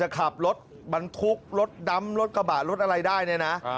ขับรถบรรทุกรถดำรถกระบะรถอะไรได้เนี่ยนะ